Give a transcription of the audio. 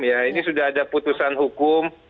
ya ini sudah ada putusan hukum